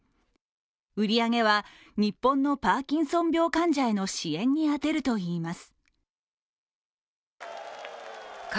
売り上げは日本のパーキンソン病患者への支援に充てるといいます。